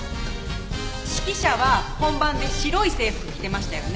指揮者は本番で白い制服着てましたよね？